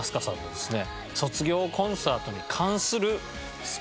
でですね